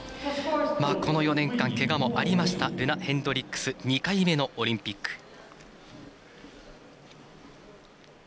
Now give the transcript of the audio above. この４年間、けがもあったルナ・ヘンドリックス２回目のオリンピック。